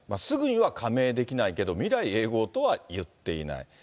すぐには加盟できないけど、未来永劫とはいっていない。